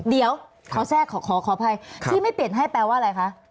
เดี๋ยวขอแทรกขออภัยที่ไม่เปลี่ยนให้แปลว่าอะไรคะ